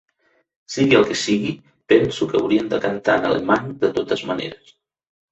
Sigui el que sigui, penso que haurien de cantar en alemany de totes maneres.